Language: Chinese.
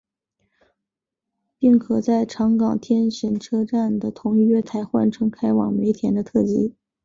并可在长冈天神车站在同一月台换乘开往梅田的特急。